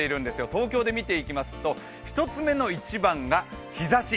東京で見ていきますと、１つ目の一番が日ざし。